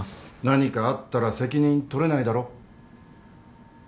何かあったら責任取れないだろ。